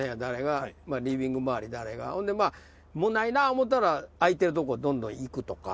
ほんでまあもうないな思たら空いてるとこどんどん行くとか。